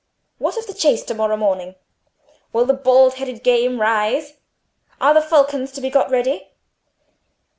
What of the chase to morrow morning? Will the bald headed game rise? Are the falcons to be got ready?"